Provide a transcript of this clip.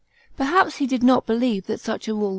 Perhaps he did not believe that such a rule was 87 A.